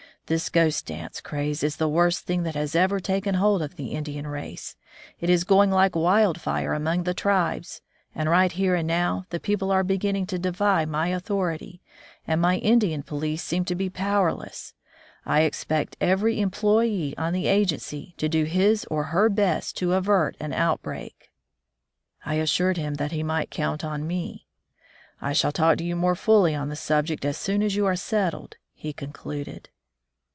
This Ghost dance craze is the worst thing that has ever taken hold of the Indian race. It is going like wild fire among the tribes, and right here and now the people are beginning to defy my author 84 A Doctor among the Indians ity, and my Indian police seem to be power less. I expect every employee on the agency to do his or her best to avert an outbreak." I assured him that he might count on me. "I shall talk to you more fully on the subject as soon as you are settled," he concluded.